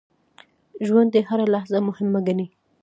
ژوندي هره لحظه مهمه ګڼي